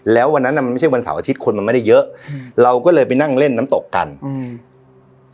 แล้ววันนั้นอ่ะมันไม่ใช่วันเสาร์อาทิตย์คนมันไม่ได้เยอะอืมเราก็เลยไปนั่งเล่นน้ำตกกันอืม